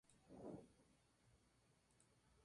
En Japón es criado comercialmente.